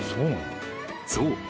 ［そう。